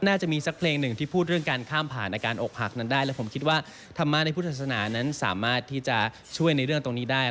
น่าจะมีสักเพลงหนึ่งที่พูดเรื่องการข้ามผ่านอาการอกหักนั้นได้แล้วผมคิดว่าธรรมะในพุทธศาสนานั้นสามารถที่จะช่วยในเรื่องตรงนี้ได้